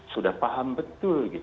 sudah paham betul